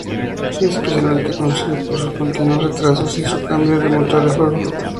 Es especialmente conocido por sus continuos retrasos y sus cambios de motor de juego.